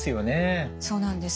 そうなんです。